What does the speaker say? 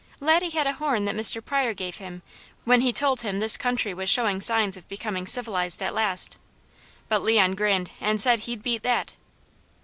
Laddie had a horn that Mr. Pryor gave him when he told him this country was showing signs of becoming civilized at last; but Leon grinned and said he'd beat that.